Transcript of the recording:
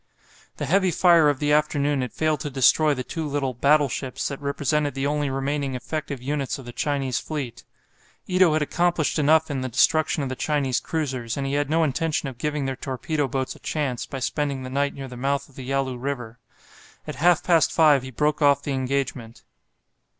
The heavy fire of the afternoon had failed to destroy the two little "battleships" that represented the only remaining effective units of the Chinese fleet. Ito had accomplished enough in the destruction of the Chinese cruisers, and he had no intention of giving their torpedo boats a chance, by spending the night near the mouth of the Yalu River. At half past five he broke off the engagement.